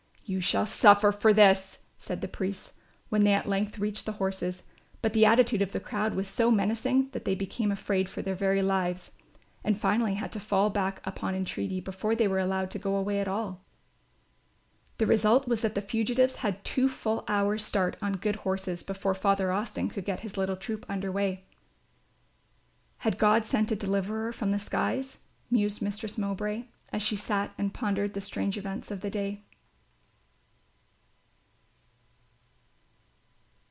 "You shall suffer for this," said the priests, when they at length reached the horses; but the attitude of the crowd was so menacing that they became afraid for their very lives and finally had to fall back upon entreaty before they were allowed to go away at all. The result was that the fugitives had two full hours start on good horses, before Father Austin could get his little troop under way. "Had God sent a deliverer from the skies?" mused Mistress Mowbray, as she sat and pondered the strange events of the day.